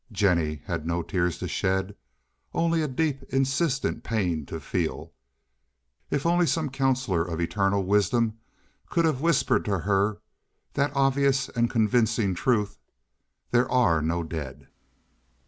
Jennie had no tears to shed; only a deep, insistent pain to feel. If only some counselor of eternal wisdom could have whispered to her that obvious and convincing truth—there are no dead.